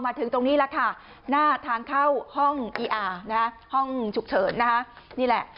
มาถึงตรงนี้แล้วค่ะหน้าทางเข้าห้องอีอ่าห้องฉุกเฉินนี่แหละ